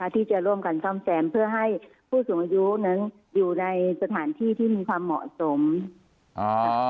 ที่จะร่วมกันซ่อมแซมเพื่อให้ผู้สูงอายุนั้นอยู่ในสถานที่ที่มีความเหมาะสมอ่า